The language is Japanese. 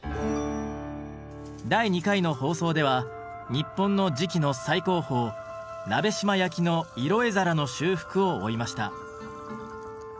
第２回の放送では日本の磁器の最高峰鍋島焼の色絵皿の修復を追いました。